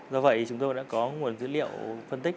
do vậy chúng tôi đã có nguồn dữ liệu phân tích